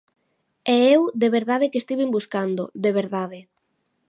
E eu, de verdade que estiven buscando, de verdade.